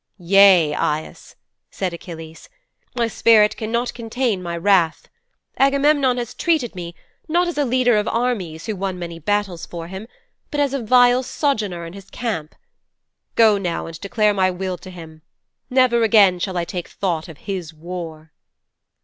"' '"Yea, Aias," said Achilles. "My spirit cannot contain my wrath. Agamemnon has treated me, not as a leader of armies who won many battles for him, but as a vile sojourner in his camp. Go now and declare my will to him. Never again shall I take thought of his war."'